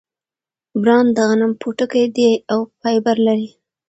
بران د غنم پوټکی دی او فایبر لري.